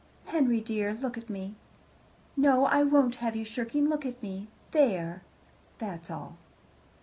"Henry dear, look at me. No, I won't have you shirking. Look at me. There. That's all."